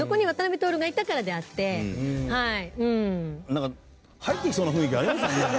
なんか入ってきそうな雰囲気ありますよね。